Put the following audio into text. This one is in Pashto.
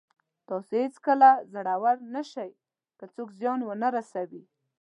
تاسو هېڅکله زړور نه شئ که څوک زیان ونه رسوي.